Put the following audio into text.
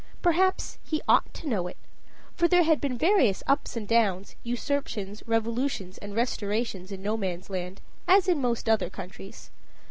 Perhaps he ought to know it for there had been various ups and downs, usurpations, revolutions, and restorations in Nomansland, as in most other countries.